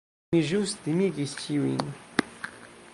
Mi ĵus timigis ĉiujn.